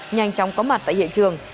nhanh chóng có mặt tại hiện trường